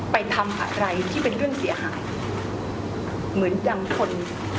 ไปทำอะไรที่เป็นเรื่องเสียหายเหมือนยังทน